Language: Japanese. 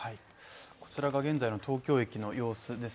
こちらが現在の東京駅の様子です